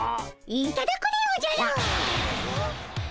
いただくでおじゃる！